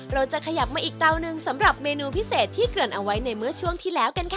เราจะขยับมาอีกเตาหนึ่งสำหรับเมนูพิเศษที่เกริ่นเอาไว้ในเมื่อช่วงที่แล้วกันค่ะ